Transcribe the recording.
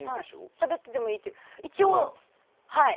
しゃべっててもいいって一応、はい。